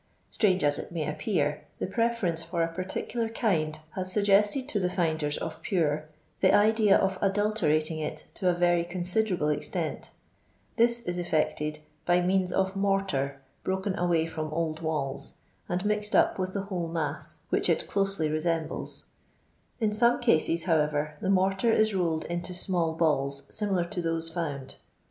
Strange ns it nay appear, the preference for a particular kind has loggested to the finders of Pure the idea of adultecating it to a very considerable extent ; this is effected by means of mortar broken away from old walls, and mixed up with the whole mass, which it closely resembles ; in some cases, however, tho mortar is rolled into small balls similar to those found.